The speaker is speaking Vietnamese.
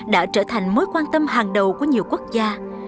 đã trở thành mối quan tâm hàng đầu của nhiều quốc gia